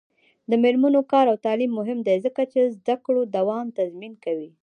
د میرمنو کار او تعلیم مهم دی ځکه چې زدکړو دوام تضمین کوي.